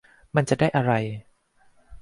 มันจะได้อะไร